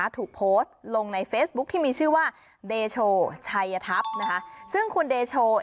ถูกโพสต์